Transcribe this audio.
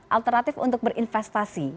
alternatif untuk berinvestasi